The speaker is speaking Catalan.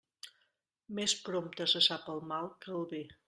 Més prompte se sap el mal que el bé.